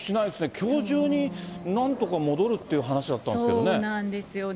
きょう中になんとか戻るっていう話だったんですけどね。